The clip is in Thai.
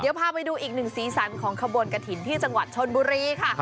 เดี๋ยวพาไปดูอีกหนึ่งสีสันของขบวนกระถิ่นที่จังหวัดชนบุรีค่ะ